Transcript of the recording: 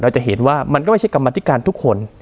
จะเห็นว่ามันก็ไม่ใช่กรรมธิการทุกคน